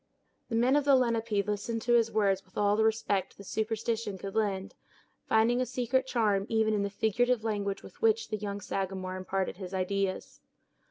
The men of the Lenape listened to his words with all the respect that superstition could lend, finding a secret charm even in the figurative language with which the young Sagamore imparted his ideas.